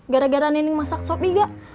gara gara nenek masak sobi gak